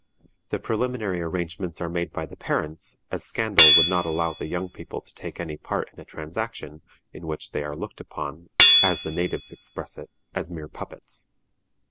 The preliminary arrangements are made by the parents, as scandal would not allow the young people to take any part in a transaction in which they are looked upon, as the natives express it, as mere puppets.